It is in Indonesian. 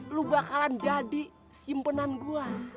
lu bakalan jadi simpenan gue